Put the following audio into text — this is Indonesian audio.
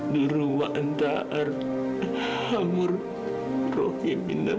duru wa anta'ar hamur rohim inat